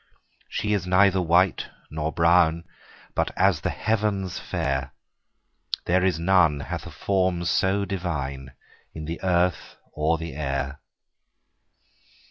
She is neither white nor brown, But as the heavens fair ; There is none hath a form so divine In the earth or the air.